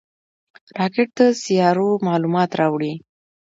راکټ د سیارویو معلومات راوړي